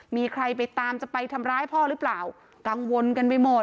มีใครไปตามจะไปทำร้ายพ่อหรือเปล่ากังวลกันไปหมด